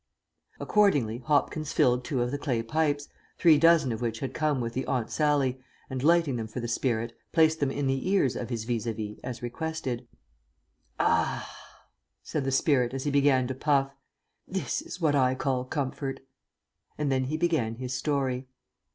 Accordingly Hopkins filled two of the clay pipes, three dozen of which had come with the Aunt Sallie, and lighting them for the spirit, placed them in the ears of his vis à vis as requested. "Ah," said the spirit as he began to puff, "this is what I call comfort." And then he began his story.